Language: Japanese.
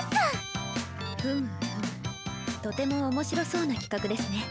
ふむふむとても面白そうな企画ですね。